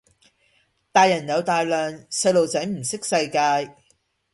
大人有大量，細路仔唔識世界